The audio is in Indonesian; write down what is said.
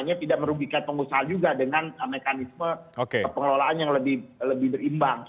tapi juga tidak merugikan pengusaha juga dengan mekanisme pengelolaan yang lebih baik